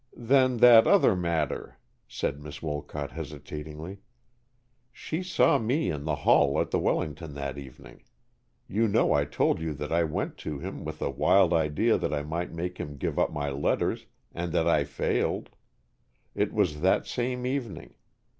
"Then that other matter," said Miss Wolcott, hesitatingly. "She saw me in the hall at the Wellington that evening. You know I told you that I went to him with a wild idea that I might make him give up my letters, and that I failed. It was that same evening.